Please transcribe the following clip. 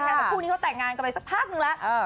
คลุกนี้เขาแต่งงานก็ังไปสักพักนึงแล้ว